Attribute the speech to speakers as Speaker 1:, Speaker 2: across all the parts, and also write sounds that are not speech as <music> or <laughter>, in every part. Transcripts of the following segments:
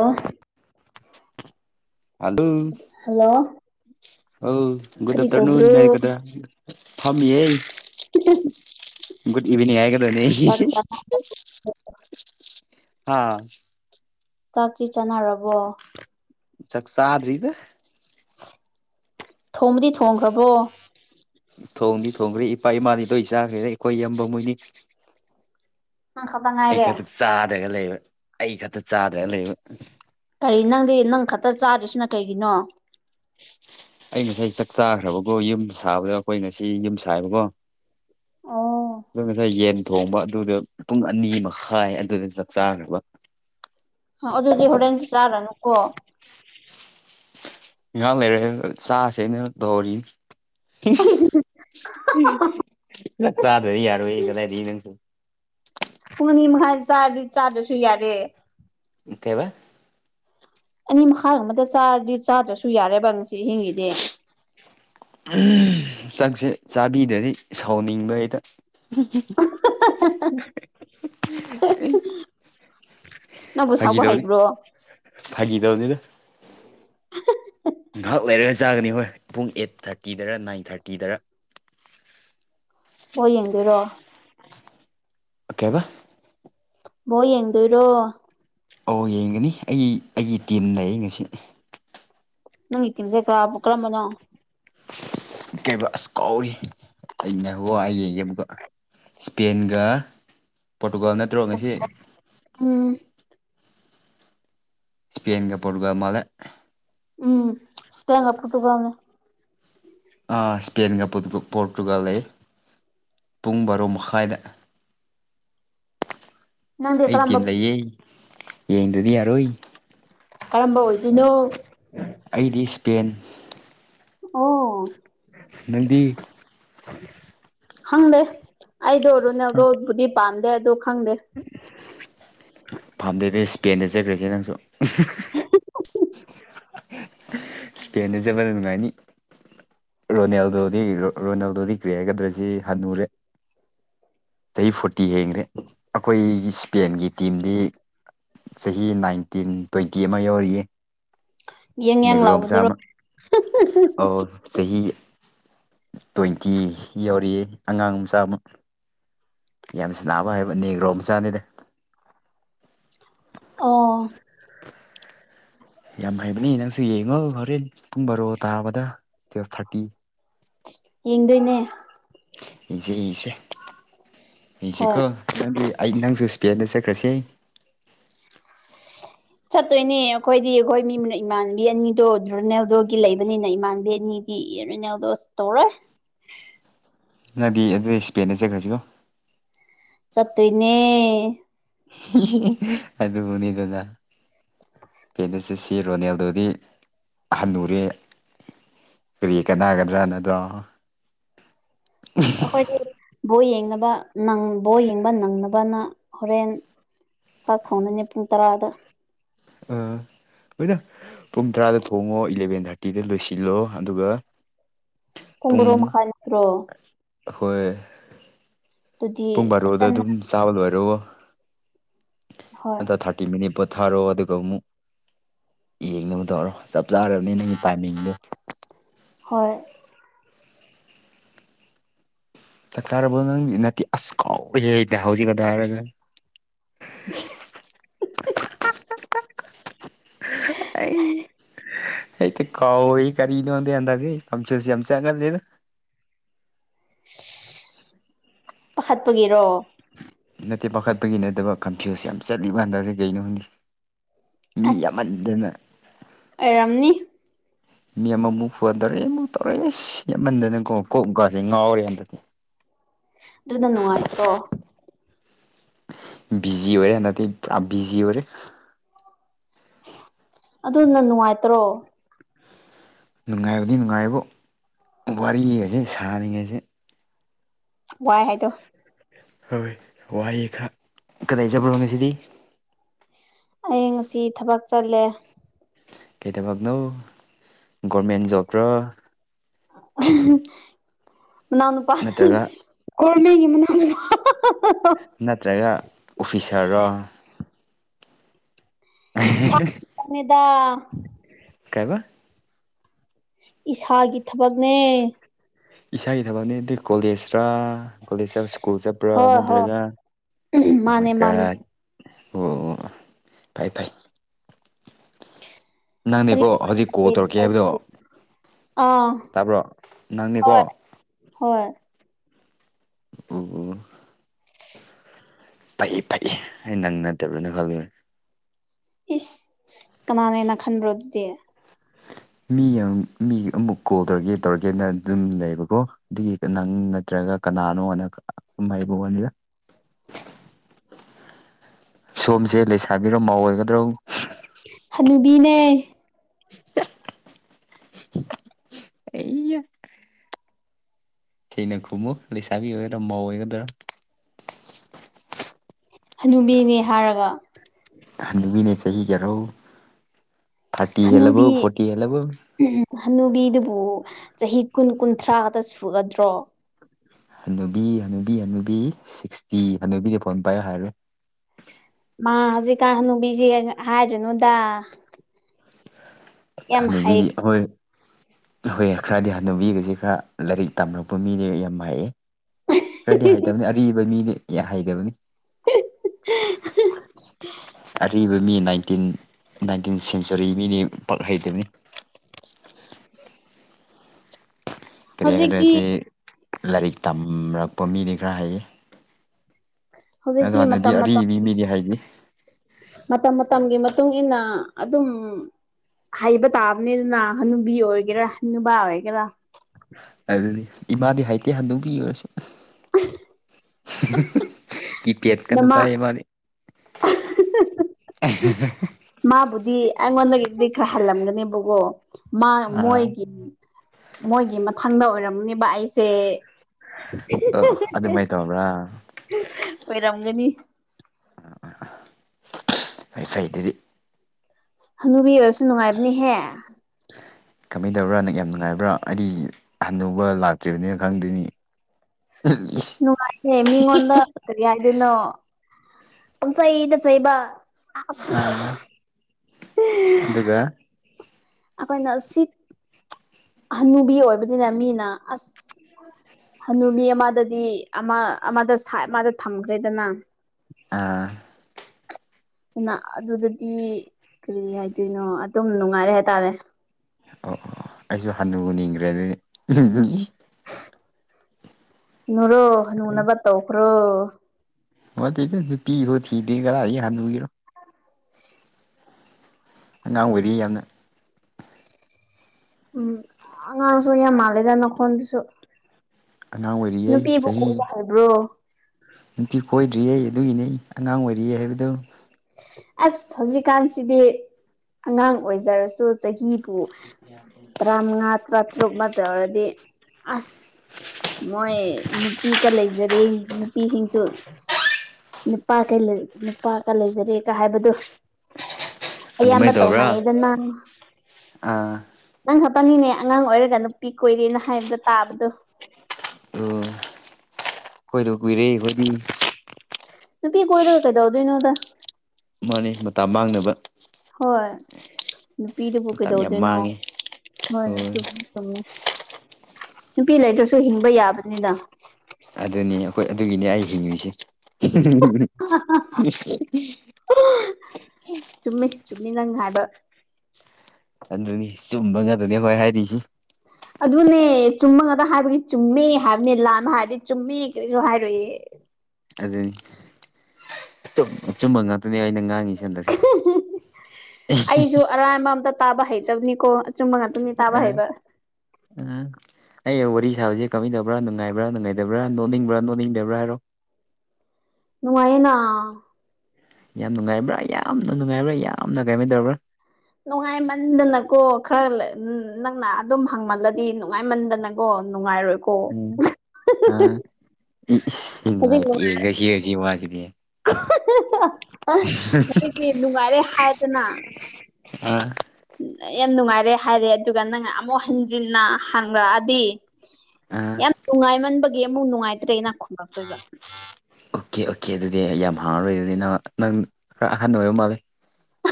Speaker 1: ꯑꯣ
Speaker 2: hello
Speaker 1: hello
Speaker 2: ꯑꯥꯎ good
Speaker 1: ꯀꯔꯤ
Speaker 2: ꯑꯞꯇꯔꯅꯨꯅ
Speaker 1: ꯇꯧꯕ꯭ꯔꯣ
Speaker 2: <unintelligible> ꯐꯝꯃꯤꯌ‌ꯦ ꯒꯨꯗ ꯏꯚꯅꯤꯡ ꯍꯥꯏꯒꯗꯅꯤ
Speaker 1: ꯆꯥꯛ
Speaker 2: ꯍꯥꯥ
Speaker 1: ꯆꯥꯛꯇꯤ ꯆꯥꯟꯅꯔꯕꯣ
Speaker 2: ꯆꯛ ꯆꯥꯗꯔꯤꯗ
Speaker 1: ꯊꯣꯡꯕꯗꯤ ꯊꯣꯡꯈ꯭ꯔꯕꯣ
Speaker 2: ꯊꯣꯡꯗꯤ ꯊꯣꯡꯈ꯭ꯔꯦ ꯏꯄꯥ ꯏꯃꯥꯗꯤ ꯂꯣꯏ ꯆꯥꯈ꯭ꯔꯦꯗ ꯑꯩꯈꯣꯏ ꯌꯝꯕ ꯃꯣꯏꯅꯤ
Speaker 1: ꯅꯪ ꯈꯛꯇ ꯉꯥꯏꯔꯦ
Speaker 2: ꯆꯥꯗꯔꯒ ꯂꯩꯕ ꯑꯩ ꯈꯛꯇ ꯆꯥꯗꯔ ꯂꯩꯕ
Speaker 1: ꯀꯔꯤ ꯅꯪꯗꯤ ꯅꯪ ꯈꯛꯇ ꯆꯥꯗꯔꯤꯁꯤꯅ ꯀꯩꯒꯤꯅꯣ
Speaker 2: ꯑꯩ ꯉꯁꯥꯏ ꯆꯛ ꯆꯥꯈ꯭ꯔꯕꯀꯣ ꯌꯨꯝ ꯁꯥꯕꯗ ꯑꯩꯈꯣꯏ ꯉꯁꯤ ꯌꯨꯝ ꯁꯥꯏꯕꯀꯣ
Speaker 1: ꯑꯣ
Speaker 2: ꯑꯗꯨ ꯉꯁꯥꯏ ꯌ‌ꯦꯜ ꯊꯣꯡꯕ ꯑꯗꯨꯗ ꯄꯨꯡ ꯑꯅꯤ ꯃꯈꯥꯏ ꯑꯗꯨꯗ ꯆꯛ ꯆꯥꯈꯔꯕ
Speaker 1: ꯑꯗꯨꯗꯤ ꯍꯣꯔꯦꯟꯁꯨ ꯆꯔꯅꯨꯀꫭ
Speaker 2: ꯉꯥꯏꯍꯥꯡ ꯂꯩꯔꯦꯒ ꯆꯥꯁ‌ꯦꯟ ꯇꯧꯔꯤ
Speaker 1: ꯑꯩꯁ
Speaker 2: ꯆꯥꯛ ꯆꯗ‌‍꯭ꯔꯥꯗ ꯌꯔꫭꯏꯍ‌ꯦ ꯀꯗꯥꯏꯗꯒꯤ ꯅꯪꯁꯨ
Speaker 1: ꯄꯨꯡ ꯑꯅꯤ ꯃꯈꯥꯏꯗ ꯆꯥꯔꯗꯤ ꯆꯥꯗ꯭ꯔꯁꯨ ꯌꯥꯔꯦ
Speaker 2: ꯀꯩꯑꯕ
Speaker 1: ꯑꯅꯤ ꯃꯈꯥꯒꯨꯝꯕꯗ ꯆꯥꯔꯗꯤ ꯆꯥꯗ꯭ꯔꯁꯨ ꯌꯥꯔꯦꯕ ꯉꯁꯤ ꯑꯍꯤꯡꯒꯤꯗꯤ
Speaker 2: ꯆꯥꯛꯁꯦ ꯆꯥꯕꯤꯗꯔꯗꯤ ꯁꯥꯎꯅꯤꯡꯕ ꯑꯩꯗ <unintelligible>
Speaker 1: ꯅꯪꯕꯨ ꯁꯥꯎꯕ ꯍꯩꯕ꯭ꯔꯣ
Speaker 2: ꯐꯥꯒꯤꯇꯧꯕꯅꯤꯗ
Speaker 1: <unintelligible>
Speaker 2: ꯉꯍꯥꯛ ꯂꯩꯔꯒ ꯆꯥꯒꯅꯤ ꯍꯣꯏ ꯄꯨꯡ ꯑꯩꯠ ꯊꯔꯇꯤꯗꯔ ꯅꯥꯏꯟ ꯊꯔꯇꯤꯗꯔ
Speaker 1: ꯕꫭꯜ ꯌꯦꯡꯗꯣꯏꯔꯣ
Speaker 2: ꯀꯩꯑꯕ
Speaker 1: ꯕꫭꯜ ꯌꯦꯡꯗꯣꯏꯔꯣ
Speaker 2: ꯑꯧ ꯌꯦꯡꯒꯅꯤ ꯑꯩꯒꯤ ꯑꯩꯒꯤ ꯇꯤꯝ ꯂ‌ꯩ ꯉꯁꯤ
Speaker 1: ꯅꯪꯒꯤ ꯇꯤꯝꯁꯦ ꯀꯥꯕ ꯀꯔꯝꯕꯅꯣ
Speaker 2: ꯀꯩꯕ ꯑꯁ ꯀꯧꯔꯤ ꯑꯩꯅ <unintelligible> ꯑꯃꯨꯀ ꯏꯁꯄꯦꯟꯒ ꯄꯣꯔꯇꯨꯒꯥꯜ ꯅꯠꯇ꯭ꯔꯣ ꯉꯁꯤ
Speaker 1: ꯎꯝ
Speaker 2: ꯁꯄꯦꯟꯦꯟꯒ ꯄꯣꯔꯠꯇꯨꯒꯜ ꯃꯥꯜꯂꯩ
Speaker 1: ꯎꯝ ꯏꯁꯄꯦꯟꯒ ꯄꯨꯠꯕꯜꯅꯦ
Speaker 2: ꯑ ꯏꯁꯄꯦꯟꯒ ꯄꯣꯇꯨ ꯄꯣꯔꯇꯨꯒꯜ ꯂꯩ ꯄꯨꯡ ꯕꯥꯔꯣ ꯃꯈꯥꯏꯗ
Speaker 1: ꯅꯪꯗꯤ
Speaker 2: ꯑꯩ
Speaker 1: ꯀꯔꯝꯕ
Speaker 2: ꯇꯤꯝ ꯂꯩꯌꯦ ꯌꯦꯡꯗꯔꯗꯤ ꯌꯥꯔꯣꯏ
Speaker 1: ꯀꯔꯝꯕ ꯑꯣꯏꯗꯣꯏꯅꯣ
Speaker 2: ꯑꯩꯗꯤ ꯏꯁꯄꯦꯟ
Speaker 1: ꯑꯣ
Speaker 2: ꯅꯪꯗꯤ
Speaker 1: ꯈꯪꯗꯦ ꯑꯩꯗꯣ ꯔꯣꯅꯦꯜꯗꯣꯕꯨꯗꯤ ꯄꯥꯝꯗꯦ ꯑꯗꯣ ꯈꯪꯗꯦ
Speaker 2: ꯐꯥꯝꯗꯗꯤ ꯏꯁꯄꯦꯟꯗ ꯆꯠꯈ꯭ꯔꯁꯦ ꯅꯪꯁꯨ ꯁꯄꯦꯟꯗ ꯆꯕꯅ ꯅꯨꯡꯉꯥꯏꯅꯤ ꯔꯣꯅꯦꯜꯗꯣꯗꯤ ꯔꯣ ꯔꯣꯅꯦꯜꯗꯣꯗꯤ ꯀꯔꯤ ꯍꯥꯏꯒꯗ꯭ꯔꯁꯤ ꯍꯟꯅꯨꯔꯦ ꯆꯍꯤ ꯐꯣꯔꯇꯤ ꯍꯦꯡꯈ꯭ꯔꯦ ꯑꯈꯣꯏ ꯏꯁꯄꯦꯟꯒꯤ ꯇꯤꯝꯗꯤ ꯆꯍꯤ ꯅꯥꯏꯟꯇꯤꯟ ꯇ꯭ꯋꯦꯟꯇꯤ ꯑꯃ ꯌꯥꯎꯔꯤꯌꯦ
Speaker 1: ꯌꯦꯟ ꯌꯪ ꯂꯥꯎꯕꯗꯨꯔꯣ
Speaker 2: ꯑꯣ ꯆꯍꯤ ꯇ꯭ꯋꯦꯟꯇꯤ ꯌꯧꯔꯤꯌꯦ ꯑꯉꯥꯡ ꯃꯆꯥ ꯑꯃ ꯌꯥꯝ ꯁꯅꯥꯕ ꯍꯥꯏꯕ ꯅꯦꯒ꯭ꯔꯣ ꯃꯆꯥꯅꯤꯗ
Speaker 1: ꯑꯣ
Speaker 2: ꯌꯥꯝ ꯍꯩꯕꯅꯤ ꯅꯪꯁꯨ ꯌꯦꯡꯉꯣ ꯍꯣꯔꯦꯟ ꯄꯨꯡ ꯕꯔꯣ ꯇꯥꯕꯗ ꯇꯨꯑꯦꯞ ꯊꯥꯔꯇꯤ
Speaker 1: ꯌꯦꯡꯗꯣꯏꯅꯦ
Speaker 2: ꯌꯦꯡꯆꯦ ꯌꯦꯡꯁꯦ
Speaker 1: ꯍꯣꯏ
Speaker 2: ꯌꯦꯁꯦꯀꯣ ꯅꯪꯕꯤ ꯑꯩ ꯅꯪꯁꯨ ꯏꯁ꯭ꯄꯦꯟꯗ ꯆꯠꯈ꯭ꯔꯁꯦ
Speaker 1: <inaudible> ꯆꯠꯇꯣꯏꯅꯦ ꯑꯈꯣꯏꯗꯤ ꯑꯈꯣꯏ ꯃꯤꯃꯅ ꯏꯃꯥꯟꯕꯤ ꯑꯅꯤꯗꯣ ꯗꯔꯣꯅꯦꯜꯗꯨꯒꯤ ꯂꯩꯕꯅꯤꯅ ꯏꯃꯥꯟꯕꯤ ꯑꯅꯤ ꯒꯤ ꯏꯔꯤꯅꯦꯜꯗꯣꯁ ꯇꯧꯔꯣꯏ
Speaker 2: ꯅꯗꯤ ꯑꯗꯨ ꯏꯁꯄꯦꯟꯅ ꯆꯠꯈ꯭ꯔꯁꯤꯀꯣ
Speaker 1: ꯆꯠꯇꯣꯏꯅꯦ
Speaker 2: ꯑꯗꯨꯕꯨꯅꯤꯗꯅ ꯄꯦꯟꯅ ꯆꯠꯁꯤ ꯔꯣꯅꯦꯜꯗꯨꯗꯤ ꯍꯟꯅꯨꯔꯦ ꯀꯔꯤ ꯀꯅꯥꯒꯗ꯭ꯔꯥ ꯅꯠꯇ꯭ꯔꯣ
Speaker 1: ꯑꯈꯣꯏꯗꯤ ꯕꯣ ꯌꯦꯡꯅꯕ ꯅꯪ ꯕꯣ ꯌꯦꯡꯕ ꯅꯪꯅꯕꯅ ꯍꯣꯔꯦꯟ ꯆꯥꯛ ꯊꯣꯡꯅꯅꯦ ꯄꯨꯡ ꯇꯔꯥꯗ
Speaker 2: ꯑ ꯍꯣꯏꯗ ꯄꯨꯡ ꯇꯔꯥꯗ ꯊꯣꯡꯉꯣ ꯏꯂꯚꯦꯟ ꯊꯥꯔꯇꯤꯗ ꯂꯣꯏꯁꯤꯜꯂꯣ ꯑꯗꯨꯒ ꯄꯨꯡ
Speaker 1: ꯕꯥꯔꯣ ꯃꯈꯥꯏ ꯅꯠꯇ꯭ꯔꯣ
Speaker 2: ꯍꯣꯏ
Speaker 1: ꯑꯗꯨꯗꯤ
Speaker 2: ꯄꯨꯡ ꯕꯥꯔꯣꯗ
Speaker 1: ꯐꯖꯅ
Speaker 2: ꯑꯗꯨꯝ ꯆꯥꯕ ꯂꯣꯏꯔꯣ
Speaker 1: ꯍꯣꯏ
Speaker 2: ꯑꯗ ꯊꯥ ꯇꯤ ꯃꯤꯅꯤꯠ ꯄꯣꯊꯥꯔꯣ ꯑꯗꯨꯒ ꯑꯃꯨꯛ ꯌꯦꯡꯅꯕ ꯇꯧꯔꯣ ꯆꯞ ꯆꯥꯔꯅꯤ ꯅꯪꯒꯤ ꯇꯥꯏꯃꯤꯡꯗꯣ
Speaker 1: ꯍꯣꯏ
Speaker 2: ꯆꯥꯛ ꯆꯥꯔꯕ ꯅꯪ ꯅꯥꯠꯇꯦ ꯑꯁ ꯀꯥꯎꯏꯍꯦ ꯍꯦꯛꯇ ꯍꯧꯖꯤꯛꯈꯗ ꯍꯥꯏꯔꯒ
Speaker 1: <unintelligible>
Speaker 2: ꯑꯩ ꯍꯦꯛꯇ ꯀꯥꯎꯋꯤ ꯀꯔꯤꯅꯣꯗꯦ ꯍꯟꯗꯛꯁꯦ ꯄꯝꯆ ꯆꯦ ꯌꯥꯝ ꯆꯥꯟꯅꯗꯦꯗ
Speaker 1: ꯄꯥꯈꯠꯄꯒꯤꯔꯣ
Speaker 2: ꯅꯠꯇꯦ ꯄꯥꯈꯠꯄꯒꯤ ꯅꯠꯇꯕ ꯀꯟꯐ꯭ꯌꯨꯁ ꯌꯥꯝ ꯆꯠꯂꯤ ꯍꯟꯗꯛꯁꯦ ꯀꯩꯅꯣ ꯍꯪꯗꯤ
Speaker 1: ꯑꯁ ꯑꯣꯏꯔꯝꯅꯤ
Speaker 2: ꯃꯤ ꯑꯃꯃꯨꯛ ꯐꯣꯟ ꯇꯧꯔꯦ ꯑꯃꯨꯛ ꯇꯧꯔꯦ ꯏꯁ ꯌꯥꯝꯃꯟꯗꯅꯀꯣ ꯀꯣꯛꯀꯥꯖꯦ ꯉꯥꯎꯔꯦ ꯍꯟꯛꯇꯤ
Speaker 1: ꯑꯗꯨꯅ ꯅꯨꯡꯉꯥꯏꯇ꯭ꯔꯣ
Speaker 2: ꯕꯤꯖꯤ ꯑꯣꯏꯔꯦ ꯍꯟꯗꯛꯇꯤ ꯄꯨꯔ ꯕꯤꯖꯤ ꯑꯣꯏꯔꯦ
Speaker 1: ꯑꯗꯨꯅ ꯅꯨꯡꯉꯥꯏꯇ꯭ꯔꯣ
Speaker 2: ꯅꯨꯡꯉꯥꯏꯕꯗꯤ ꯅꯨꯡꯉꯥꯏꯕꯨ ꯋꯥꯔꯤꯒꯗꯤ ꯁꯥꯥꯟꯅꯤꯡꯉꯖꯦ
Speaker 1: ꯋꯥꯏ ꯍꯥꯏꯗꯣ
Speaker 2: ꯍꯣꯏ ꯋꯥꯍꯩ ꯈꯔ ꯀ ꯂꯩꯖꯕ ꯃꯤꯖꯤꯗꯤ
Speaker 1: ꯑꯩ ꯉꯁꯤ ꯊꯕꯛ ꯆꯠꯂꯦ
Speaker 2: ꯀꯩ ꯊꯕꯛꯅꯣ ꯒꯣꯔꯃꯦꯟ ꯖꯣꯕꯔꯣ
Speaker 1: <unintelligible> ꯃꯅꯥꯎꯅꯨꯄꯥ
Speaker 2: ꯅꯠꯇ꯭ꯔꯒ
Speaker 1: <unintelligible> ꯀꯣꯔꯃꯦꯟꯒꯤ <unintelligible>
Speaker 2: ꯅꯠꯇ꯭ꯔꯒ ꯑꯣꯐꯤꯁꯥꯔꯔꯣ
Speaker 1: ꯏꯁꯥꯛ ꯅꯦꯗ
Speaker 2: ꯀꯩꯕ
Speaker 1: ꯏꯁꯥꯒꯤ ꯊꯕꯛꯅꯦ
Speaker 2: ꯏꯁꯥꯒꯤ ꯊꯕꯛꯅꯦꯗꯤ ꯀꯣꯂꯦꯖꯔ ꯀꯣꯂꯦꯖ ꯆꯠ ꯁ꯭ꯀꯨꯜ ꯆꯠꯄ꯭ꯔ
Speaker 1: ꯍꯣꯏ ꯍꯣꯏ
Speaker 2: ꯅꯠꯇ꯭ꯔꯒ
Speaker 1: ꯃꯥꯅꯦ ꯃꯥꯅꯦ
Speaker 2: <unintelligible> ꯑꯣ ꯑꯣ ꯐꯩ ꯐꯩ ꯅꯪꯅꯦꯀꯣ ꯍꯧꯖꯤꯛ ꯀꯣꯜ ꯇꯧꯔꯛꯀꯦ ꯍꯥꯏꯕꯗꯣ
Speaker 1: <unintelligible> ꯑꯥ
Speaker 2: ꯇꯥꯕ꯭ꯔꯣ ꯅꯪꯅꯦꯀꯣ
Speaker 1: ꯍꯣꯏ ꯍꯣꯏ
Speaker 2: ꯎꯝ ꯎꯝ ꯐꯩ ꯐꯩ ꯑꯩ ꯅꯪ ꯅꯠꯇ꯭ꯔꯕꯅ ꯈꯜꯂꯨꯔꯦ
Speaker 1: ꯏꯁ ꯀꯅꯥꯅꯦꯅ ꯈꯟꯕ꯭ꯔꯣ ꯑꯗꯨꯗꯤ
Speaker 2: ꯃꯤ ꯌꯥꯝ ꯃꯤꯒꯤ ꯑꯃꯨꯛ ꯀꯣꯜ ꯇꯧꯔꯒꯦ ꯇꯧꯔꯒꯦꯅ ꯑꯗꯨꯝ ꯂꯩꯌꯦꯕꯀꯣ ꯑꯗꯨꯒꯤ ꯅꯪ ꯅꯠꯇ꯭ꯔꯒ ꯀꯅꯥꯅꯣꯅ ꯁꯨꯝ ꯍꯥꯏꯕ ꯋꯥꯅꯤꯗ
Speaker 1: <unintelligible>
Speaker 2: ꯁꯣꯝꯖꯦ ꯂꯩꯁꯥꯕꯤꯔꯣ ꯃꯧ ꯑꯣꯏꯒꯗ꯭ꯔꯣ
Speaker 1: ꯍꯅꯨꯕꯤꯅꯦ
Speaker 2: ꯏꯌꯥ ꯁꯦꯡꯅ ꯈꯨꯝꯃꯨ ꯂꯩꯁꯥꯕꯤ ꯑꯣꯏꯒꯗꯔ ꯃꯧ ꯑꯣꯏꯒꯗꯔ
Speaker 1: ꯍꯅꯨꯕꯤꯅꯦ ꯍꯥꯏꯔꯒ
Speaker 2: ꯍꯟꯅꯨꯕꯤꯅꯦ ꯆꯍꯤ ꯀ꯭ꯌꯥꯔꯣ ꯊꯥꯔꯇꯤ ꯍꯦꯜꯂꯕꯣ ꯐꯣꯔꯇꯤ ꯍꯦꯜꯂꯕꯣ
Speaker 1: ꯎꯝ ꯍꯨꯝ ꯍꯅꯨꯕꯤꯗꯨꯕꯨ ꯆꯍꯤ ꯀꯨꯟ ꯀꯨꯟꯊ꯭ꯔꯥꯗ ꯁꯨꯒꯗ꯭ꯔꯣ
Speaker 2: ꯍꯅꯨꯕꯤ ꯍꯅꯨꯕꯤ ꯍꯅꯨꯕꯤ ꯁꯤꯛꯁꯇꯤ ꯍꯅꯕꯤꯒ ꯐꯣꯟ ꯄꯥꯏꯕ ꯍꯩꯔꯣꯏ
Speaker 1: ꯃꯥ ꯍꯧꯖꯤꯛꯀꯥꯟ ꯍꯅꯨꯕꯤꯖꯤ ꯑꯅ ꯍꯥꯏꯔꯨꯅꯨꯗ ꯌꯥꯝ ꯍꯩ
Speaker 2: ꯍꯅꯨꯕꯤꯗꯤ ꯍꯣꯏ ꯍꯣꯏ ꯈꯔꯗꯤ ꯍꯅꯨꯕꯤꯒꯖꯦ ꯈꯔ ꯂꯥꯏꯔꯤꯛ ꯇꯝꯔꯛꯄ ꯃꯤꯅꯦ ꯌꯥꯝ ꯍꯩꯌꯦ ꯈꯔꯗꯤ ꯍꯩꯇꯕꯅꯤ ꯑꯔꯤꯕ ꯃꯤꯗꯤ ꯀꯌꯥ ꯍꯩꯗꯕꯅꯤ ꯑꯔꯤꯕ ꯃꯤ ꯅꯥꯏꯟꯇꯤꯟ ꯅꯥꯏꯟꯇꯤꯟ ꯁꯦꯟꯆꯨꯔꯤ ꯃꯤꯅꯤ ꯄꯥꯛ ꯍꯩꯇꯕꯅꯤ ꯀꯔꯤ
Speaker 1: ꯍꯧꯖꯤꯛꯇꯤ
Speaker 2: ꯍꯥꯏꯒꯗꯔꯁꯤ ꯂꯥꯏꯔꯤꯛ ꯇꯝꯔꯛꯄ ꯃꯤꯗꯤ ꯈꯔ ꯍꯩꯌꯦ ꯑꯗꯨ
Speaker 1: ꯍꯧꯖꯤꯛꯇꯤ
Speaker 2: ꯍꯥꯟꯅꯗꯤ
Speaker 1: ꯃꯇꯝ ꯃꯇꯝ
Speaker 2: ꯑꯔꯤꯕꯤ ꯃꯤꯗꯤ ꯍꯩꯕꯅꯤ
Speaker 1: ꯃꯇꯝ ꯃꯇꯝꯒꯤ ꯃꯇꯨꯡ ꯏꯟꯅ ꯑꯗꯨꯝ ꯍꯩꯕ ꯇꯥꯕꯅꯤꯗꯅ ꯍꯅꯨꯕꯤ ꯑꯣꯏꯒꯦꯔ ꯍꯅꯨꯕꯥ ꯑꯣꯏꯒꯦꯔ
Speaker 2: ꯑꯗꯨꯅꯤ ꯏꯃꯥꯗꯤ ꯍꯩꯇꯦ ꯍꯅꯨꯕꯤ ꯑꯣꯏꯔꯁꯨ
Speaker 1: <unintelligible>
Speaker 2: ꯀꯤ ꯄꯦꯠ ꯀꯟꯅ
Speaker 1: ꯅꯃꯥ
Speaker 2: ꯄꯥꯏ ꯃꯥꯗꯤ
Speaker 1: <unintelligible>
Speaker 2: <unintelligible>
Speaker 1: ꯃꯥꯕꯨꯗꯤ ꯑꯩꯉꯣꯟꯗꯒꯤꯗꯤ ꯈꯔ ꯍꯜꯂꯝꯒꯅꯦꯕꯀꯣ ꯃꯥ
Speaker 2: ꯑꯥ
Speaker 1: ꯃꯣꯏꯒꯤ ꯃꯣꯏꯒꯤ ꯃꯊꯪꯗ ꯑꯣꯏꯔꯝꯅꯦꯕ ꯑꯩ ꯁꯦ
Speaker 2: ꯑꯣ ꯑꯗꯨꯃꯥꯏꯅ ꯇꯧꯕ꯭ꯔꯥ
Speaker 1: ꯑꯣꯏꯔꯝꯒꯅꯤ
Speaker 2: ꯑ ꯑ ꯑ ꯐꯩ ꯐꯩ ꯗꯨꯗꯤ
Speaker 1: ꯍꯅꯨꯕꯤ ꯑꯣꯏꯔꯁꯨ ꯅꯨꯡꯉꯥꯏꯕꯅꯤꯍꯦ
Speaker 2: ꯀꯃꯤ ꯇꯧꯕ꯭ꯔꯥ ꯅꯛ ꯌꯥꯝ ꯅꯨꯡꯉꯥꯏꯕ꯭ꯔꯥ ꯑꯩꯗꯤ ꯍꯟꯅꯨꯕ ꯂꯥꯛꯇ꯭ꯔꯤꯕꯅꯤꯅ ꯈꯪꯗꯤꯅꯦ
Speaker 1: ꯅꯨꯡꯉꯥꯏꯇꯦ ꯃꯤꯉꯣꯟꯗ ꯀꯔꯤ ꯍꯥꯏꯗꯣꯏꯅꯣ ꯄꯪꯆꯩꯗ ꯆꯩꯕ ꯑꯁ
Speaker 2: ꯑ ꯑꯗꯨꯒ
Speaker 1: ꯑꯈꯣꯏꯅ ꯁꯤꯠ ꯍꯅꯨꯕꯤ ꯑꯣꯏꯕꯅꯤꯅ ꯃꯤꯅ ꯑꯁ ꯍꯅꯨꯕꯤ ꯑꯃꯗꯗꯤ ꯑꯃ ꯑꯃꯗ ꯁꯥꯏꯠ ꯑꯃꯗ ꯊꯝꯈ꯭ꯔꯦꯗꯅ
Speaker 2: ꯑꯥ
Speaker 1: ꯗꯨꯅ ꯑꯗꯨꯗꯗꯤ ꯀ꯭ꯔꯤ ꯍꯥꯏꯗꯣꯏꯅꯣ ꯑꯗꯨꯝ ꯅꯨꯡꯉꯥꯏꯔꯦ ꯍꯥꯏꯇꯥꯔꯦ
Speaker 2: ꯑꯣ ꯑꯣ ꯑꯩꯖꯨ ꯍꯟꯅꯨ ꯅꯤꯡꯒ꯭ꯔꯦ ꯑꯗꯨꯗꯤ
Speaker 1: ꯅꯨꯔꯣ ꯍꯅꯨꯅꯕ ꯇꯧꯈ꯭ꯔꯣ
Speaker 2: ꯋꯥꯠꯂꯤꯗ ꯅꯨꯄꯤꯕꯣ ꯊꯤꯗ꯭ꯔꯤ ꯀꯔꯥꯏ ꯍꯟꯅꯨꯒꯤꯔꯣꯏ ꯑꯉꯥꯡ ꯑꯣꯏꯔꯤ ꯌꯥꯝꯅ
Speaker 1: ꯎꯝ ꯑꯉꯥꯡꯁꯨ ꯌꯥꯝ ꯃꯥꯂꯦꯗ ꯅꯈꯣꯟꯗꯨꯁꯨ
Speaker 2: ꯑꯉꯥꯡ ꯑꯣꯏꯔꯤꯌꯦ
Speaker 1: ꯅꯨꯄꯤꯕꯨ
Speaker 2: ꯆꯍꯤ
Speaker 1: <inaudible> ꯍꯩꯕ꯭ꯔꯣ
Speaker 2: ꯅꯨꯄꯤ ꯀꯣꯏꯗ꯭ꯔꯤꯌꯦ ꯑꯗꯨꯒꯤꯅꯦ ꯑꯉꯥꯡ ꯑꯣꯏꯔꯤꯌꯦ ꯍꯥꯏꯕꯗꯣ
Speaker 1: ꯑꯁ ꯍꯧꯖꯤꯛꯀꯥꯟꯁꯤꯗꯤ ꯑꯉꯥꯡ ꯑꯣꯏꯖꯔꯁꯨ ꯆꯍꯤꯕꯨ ꯇ꯭ꯔꯥꯝꯃꯉꯥ ꯇ꯭ꯔꯥꯇ꯭ꯔꯨꯛ ꯃ ꯇꯧꯔꯗꯤ ꯑꯁ ꯃꯣꯏ ꯅꯨꯄꯤꯀ ꯂꯩꯖꯔꯦ ꯅꯨꯄꯤꯁꯤꯡꯁꯨ ꯅꯨꯄꯥꯀ ꯅꯨꯄꯥꯀ ꯂꯩꯖꯔꯦꯒ ꯍꯥꯏꯕꯗꯣ ꯑꯌꯥꯝꯕ
Speaker 2: ꯑꯗꯨꯃꯥꯏꯅ ꯇꯧꯕ꯭ꯔꯥ
Speaker 1: ꯇꯧꯅꯩꯌꯦꯗꯅ
Speaker 2: ꯑꯥ
Speaker 1: ꯅꯪ ꯈꯠꯇꯅꯤꯅꯦ ꯑꯉꯥꯡ ꯑꯣꯏꯔꯒ ꯅꯨꯄꯤ ꯀꯣꯏꯔꯦꯅ ꯍꯥꯏꯕꯗ ꯇꯥꯕꯗꯣ
Speaker 2: ꯑꯣ ꯀꯣꯏꯗ ꯀꯨꯏꯔꯦ ꯈꯣꯏꯗꯤ
Speaker 1: ꯅꯨꯄꯤ ꯀꯣꯏꯔꯒ ꯀꯩꯗꯧꯗꯣꯏꯅꯣꯗ
Speaker 2: ꯃꯥꯅꯤ ꯃꯇꯝ ꯃꯥꯡꯅꯕ
Speaker 1: ꯍꯣꯏ ꯅꯨꯄꯤꯗꯨꯕꯨ
Speaker 2: ꯃꯇꯝ ꯌꯥꯝ
Speaker 1: ꯀꯩꯗꯧꯗꯣꯏꯅꯣ
Speaker 2: ꯃꯥꯡꯉꯤ
Speaker 1: ꯍꯣꯏ ꯆꯨꯝꯃꯤ ꯆꯨꯝꯃꯤ ꯅꯨꯄꯤ ꯂꯩꯇ꯭ꯔꯁꯨ ꯍꯤꯡꯕ ꯌꯥꯕꯅꯤꯗ
Speaker 2: ꯑꯗꯨꯅꯤ ꯑꯈꯣꯏ ꯑꯗꯨꯒꯤꯅꯦ ꯑꯩ ꯍꯤꯡꯉꯤꯁꯦ
Speaker 1: ꯆꯨꯝꯃꯤ ꯆꯨꯝꯃꯤ ꯅꯪ ꯍꯥꯏꯕ
Speaker 2: ꯑꯗꯨꯅꯤ ꯆꯨꯝꯕ ꯉꯗꯅꯦ ꯍꯣꯏ ꯍꯥꯏꯔꯤꯁꯤ
Speaker 1: ꯑꯗꯨꯅꯦ ꯆꯨꯝꯃꯉꯗ ꯍꯥꯏꯕꯒꯤ ꯆꯨꯝꯃꯦ ꯍꯥꯏꯕꯅꯦ ꯂꯥꯟꯕ ꯍꯥꯏꯔꯗꯤ ꯆꯨꯝꯃꯦ ꯀꯔꯤꯁꯨ ꯍꯥꯏꯔꯣꯏꯌꯦ
Speaker 2: ꯑꯗꯨꯅꯤ ꯑꯆꯨꯝ ꯑꯆꯨꯝꯕ ꯉꯥꯇꯅꯤ ꯑꯩꯅ ꯉꯥꯡꯉꯤꯁ
Speaker 1: ꯑꯩꯁꯨ ꯑꯔꯥꯟꯕ ꯑꯝꯇ ꯇꯥꯕ ꯍꯩꯇꯕꯅꯤꯀꯣ ꯑꯆꯨꯝꯕ ꯉꯥꯇꯅꯤ ꯇꯥꯕ
Speaker 2: ꯑ
Speaker 1: ꯍꯩꯕ
Speaker 2: ꯑ ꯑꯩ ꯋꯥꯔꯤ ꯁꯥꯕꯖꯦ ꯀꯃꯤꯗꯕ꯭ꯔꯥ ꯅꯨꯡꯉꯥꯏꯕ꯭ꯔꯥ ꯅꯨꯡꯉꯥꯏꯗꯕ꯭ꯔꯥ ꯅꯣꯠꯅꯤꯡꯕ꯭ꯔꯥ ꯅꯣꯠꯅꯤꯡꯗꯕ꯭ꯔꯥ ꯍꯥꯏꯔꯣ
Speaker 1: ꯅꯨꯡꯉꯥꯏꯌꯦꯅ
Speaker 2: ꯌꯥꯝ ꯅꯨꯡꯉꯥꯏꯕ꯭ꯔꯥ ꯌꯥꯝꯅ ꯅꯨꯡꯉꯥꯏꯕ꯭ꯔꯥ ꯌꯥꯝꯅ ꯀꯥꯏꯃꯥꯏ ꯇꯧꯕ꯭ꯔꯥ
Speaker 1: ꯅꯨꯡꯉꯥꯏꯃꯟꯗꯅꯀꯣ ꯈꯔ ꯂꯩ ꯅꯪꯅ ꯑꯗꯨꯝ ꯍꯪꯃꯜꯂꯗꯤ ꯅꯨꯡꯉꯥꯏꯃꯟꯗꯅ ꯀꯣ ꯅꯨꯡꯉꯥꯏꯔꯣꯏ
Speaker 2: ꯎꯝ ꯑ ꯏꯁ ꯅꯨꯡꯁꯥꯏꯇꯦꯌꯦ <unintelligible> ꯋꯥꯁꯤꯗꯤ
Speaker 1: ꯍꯧꯖꯤꯛꯇꯤ ꯅꯨꯡꯉꯥꯏꯔꯦ ꯍꯥꯏꯗꯅ
Speaker 2: <unintelligible>
Speaker 1: ꯌꯥꯝ ꯅꯨꯡꯉꯥꯏꯔꯦ ꯍꯥꯏꯔꯦ ꯑꯗꯨꯒ ꯅꯪ ꯑꯃꯨꯛ ꯍꯟꯖꯤꯟꯅ ꯍꯥꯡꯔꯛꯑꯗꯤ ꯌꯥꯝ ꯅꯨꯡꯉꯥꯏꯃꯟꯕꯒꯤ ꯑꯃꯨꯛ ꯅꯨꯡꯉꯥꯏꯇ꯭ꯔꯦꯅ ꯈꯣꯡꯂꯛꯇꯣꯏꯗ
Speaker 2: ꯑꯣꯀꯦ ꯑꯣꯀꯦ ꯑꯗꯨꯗꯤ ꯌꯥꯝ <unintelligible> ꯑꯗꯨꯗꯤ ꯅꯪ ꯅꯪ ꯈꯔ ꯑꯍꯟꯅ ꯑꯣꯏꯕ ꯃꯥꯜꯂꯦ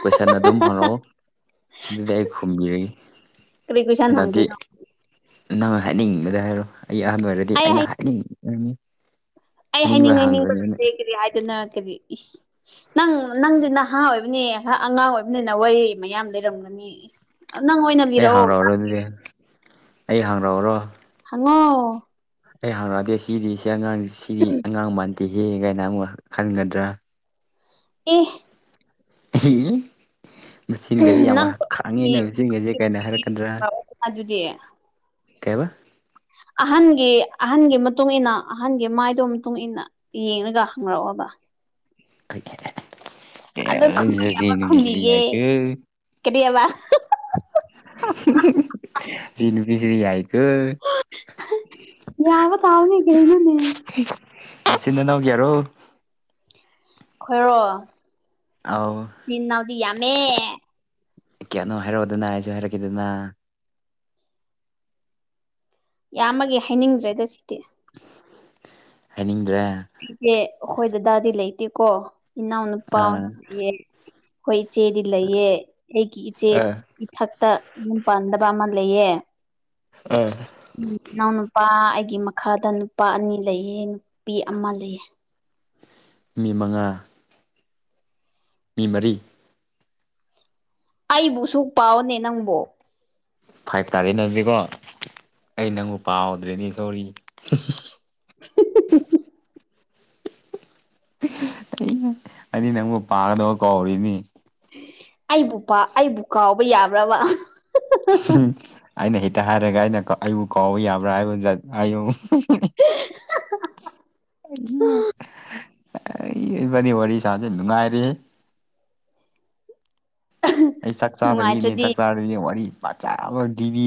Speaker 2: ꯀꯣꯏꯁꯟ ꯑꯗꯨꯝ ꯍꯪꯔꯛꯑꯣ ꯑꯗꯨꯗꯤ ꯑꯩ ꯈꯨꯝꯕꯤꯔꯒꯦ
Speaker 1: ꯀꯔꯤ ꯀꯣꯏꯁꯟ
Speaker 2: ꯍꯟꯗꯛꯇꯤ
Speaker 1: ꯍꯪꯗꯣꯏꯅꯣ
Speaker 2: ꯅꯪꯅ ꯍꯥꯏꯅꯤꯡꯕꯗ ꯍꯥꯏꯔꯣ ꯑꯩ ꯑꯍꯥꯟꯕ ꯑꯣꯏꯔꯗꯤ
Speaker 1: ꯑꯩ
Speaker 2: ꯑꯩꯅ ꯍꯥꯏꯅꯤꯡ
Speaker 1: ꯑꯩ ꯍꯥꯏꯅꯤꯡ ꯍꯥꯏꯅꯤꯡꯕ
Speaker 2: ꯑꯩꯅ
Speaker 1: ꯂꯣꯇꯦ ꯀꯔꯤ ꯍꯥꯏꯗꯣꯅꯣ ꯀꯔꯤ ꯏꯁ ꯅꯪ ꯅꯪꯗꯤ ꯅꯍꯥ ꯑꯣꯏꯕꯅꯤ ꯈꯔ ꯑꯉꯥꯡ ꯑꯣꯏꯕꯅꯤꯅ ꯋꯥꯔꯤ ꯃꯌꯥꯝ ꯂꯩꯔꯝꯒꯅꯤ ꯏꯁ ꯅꯪꯉꯣꯏꯅꯪ
Speaker 2: ꯑꯩ ꯍꯥꯡꯔꯛꯑꯔꯣ ꯑꯗꯨꯗꯤ ꯑꯩ ꯍꯥꯡꯔꯛꯑꯔꯣ
Speaker 1: ꯍꯪꯉꯣ
Speaker 2: ꯑꯩ ꯍꯪꯔꯛꯑꯗꯦ ꯁꯤꯗꯤ ꯁꯤ ꯑꯉꯥꯡ ꯁꯤꯗꯤ ꯑꯉꯥꯡ ꯃꯥꯟꯗꯦ ꯍꯦ ꯀꯥꯏꯅ ꯑꯃꯨꯛ ꯈꯟꯒꯗ꯭ꯔꯥ
Speaker 1: ꯑꯦ
Speaker 2: ꯃꯦꯆꯤꯟꯒꯗꯤ ꯌꯥꯝ
Speaker 1: ꯅꯪꯁꯨ
Speaker 2: ꯈꯥꯡꯉꯦꯅ ꯃꯦꯆꯤꯟꯒꯁꯦ ꯀꯩꯅꯣ ꯍꯥꯏꯔꯛꯀꯗ꯭ꯔꯥ
Speaker 1: ꯑꯗꯨꯗꯤ
Speaker 2: ꯀꯩꯕ
Speaker 1: ꯑꯍꯟꯒꯤ ꯑꯍꯟꯒꯤ ꯃꯇꯨꯡ ꯏꯟꯅ ꯑꯍꯟꯒꯤ ꯃꯥꯏꯗꯨ ꯃꯇꯨꯡ ꯏꯟꯅ ꯌꯦꯡꯔꯒ ꯍꯪꯔꯛꯑꯣꯕ
Speaker 2: ꯀꯩꯂꯩꯔꯦ
Speaker 1: ꯑꯗꯣ ꯈꯨꯝꯕ ꯌꯥꯕ ꯈꯨꯝꯕꯤꯒꯦ
Speaker 2: <unintelligible>
Speaker 1: ꯀꯔꯤꯑꯕ
Speaker 2: ꯌꯥꯏꯀꯣ <unintelligible> ꯌꯥꯏꯀꯦ
Speaker 1: ꯌꯥꯕ ꯇꯥꯕꯅꯤ ꯀꯩꯩꯅꯅꯦ
Speaker 2: ꯅꯆꯤꯟ ꯅꯅꯥꯎ ꯀꯌꯥꯔꯣ
Speaker 1: ꯈꯣꯏꯔꯣ
Speaker 2: ꯑꯥꯎ
Speaker 1: ꯆꯤꯟꯅꯥꯎꯗꯤ ꯌꯥꯝꯃꯦ
Speaker 2: ꯀꯌꯥꯅꯣ ꯍꯥꯏꯔꯛꯑꯣꯗꯅ ꯑꯩꯁꯨ ꯍꯥꯏꯔꯛꯀꯦꯗꯅ
Speaker 1: ꯌꯥꯝꯕꯒꯤ ꯍꯥꯏꯅꯤꯡꯗ꯭ꯔꯦꯗ ꯁꯤꯗꯤ
Speaker 2: ꯍꯥꯏꯅꯤꯡꯗ꯭ꯔꯦ
Speaker 1: ꯑꯩꯁꯦ ꯑꯩꯈꯣꯏꯗ ꯗꯥꯗꯤ ꯂꯩꯇꯦꯀꯣ ꯏꯅꯥꯎꯅꯨꯄꯥ ꯑꯣꯏꯟ
Speaker 2: ꯑꯥ
Speaker 1: ꯂꯩꯌꯦ ꯑꯩꯈꯣꯏ ꯏꯆꯦꯗꯤ ꯂꯩꯑ ꯑꯩꯒꯤ ꯏꯆꯦ
Speaker 2: ꯑꯥ
Speaker 1: ꯏꯊꯛꯇ ꯌꯨꯡ ꯄꯥꯟꯗꯕ ꯑꯃ ꯂꯩꯌꯦ
Speaker 2: ꯑꯥ
Speaker 1: ꯎꯝ ꯏꯅꯥꯎꯅꯄꯥ ꯑꯩꯒꯤ ꯃꯈꯥꯗ ꯅꯨꯄꯥ ꯑꯅꯤ ꯂꯩꯌꯦ ꯅꯨꯄꯤ ꯑꯃ ꯂꯩꯌꯦ
Speaker 2: ꯃꯤ ꯃꯉꯥ ꯃꯤ ꯃꯔꯤ
Speaker 1: ꯑꯩꯕꯨꯁꯨ ꯄꯥꯎꯅꯦ ꯅꯪꯕꯨ
Speaker 2: ꯐꯥꯏꯚ ꯇꯥꯔꯦ ꯅꯪꯗꯤꯀꯣ ꯑꯩ ꯅꯪꯕꯨ ꯄꯥꯎꯗ꯭ꯔꯦꯅꯦ ꯁꯣꯔꯤ
Speaker 1: <unintelligible>
Speaker 2: ꯑꯩꯗꯤ ꯅꯪꯕꯨ ꯄꯥꯒꯗꯕ ꯀꯧꯔꯤꯅꯤ
Speaker 1: ꯑꯩꯕꯨ ꯄꯥ ꯑꯩꯕꯨ ꯀꯥꯎꯕ ꯌꯥꯕ꯭ꯔꯕ
Speaker 2: ꯑꯩꯅ ꯍꯦꯛꯇ ꯍꯥꯏꯔꯒ ꯑꯩꯅ ꯑꯩꯕꯨ ꯀꯥꯎꯕ ꯌꯥꯕ꯭ꯔꯥ ꯍꯥꯏꯌꯣ <unintelligible> ꯏꯕꯥꯌꯤ ꯋꯥꯔꯤ ꯁꯥꯕꯁꯦ ꯅꯨꯡꯉꯥꯏꯔꯤꯍꯦ ꯑꯩ ꯆꯥꯛ ꯆꯥꯗꯕꯤꯒꯤꯅꯦ
Speaker 1: ꯅꯨꯡꯉꯥꯏꯇ꯭ꯔꯗꯤ
Speaker 2: ꯆꯥꯛ ꯆꯥꯔꯗꯤ ꯋꯥꯔꯤ ꯐꯖꯕ ꯑꯃ ꯂꯤꯕꯤ